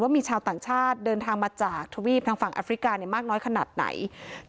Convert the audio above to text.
มีชาวต่างชาติเดินทางมาจากทวีปทางฝั่งแอฟริกามากน้อยขนาดไหน